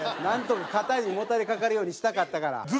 なんとか肩にもたれ掛かるようにしたかったから。